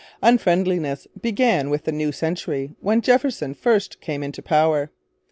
Unfriendliness began with the new century, when Jefferson first came into power.